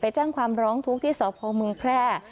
แจ้งความร้องทุกข์ที่สพเมืองแพร่